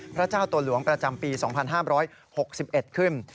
พระเจ้าตัวหลวงประจำปี๒๕๖๑ขึ้น